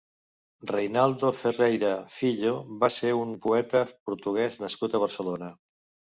Reinaldo Ferreira (filho) va ser un poeta portuguès nascut a Barcelona.